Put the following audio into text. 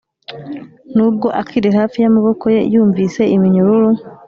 nubwo akiri hafi y'amaboko ye yumvise iminyururu.